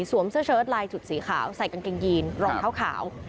สวมเสื้อเชิ้ตลายจุดสีขาวใส่กางเกงยีนรองขาว